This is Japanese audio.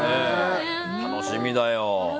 楽しみだよ。